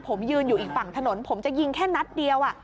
ผมยืนอยู่อีกฝั่งถนนผมจะยิงแค่นัดเดียว